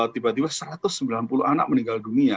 tiba tiba satu ratus sembilan puluh anak meninggal dunia